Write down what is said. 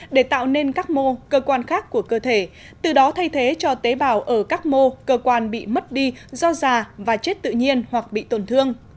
để tạo nên các mô cơ quan khác của cơ thể từ đó thay thế cho tế bào ở các mô cơ quan bị mất đi do già và chết tự nhiên hoặc bị tổn thương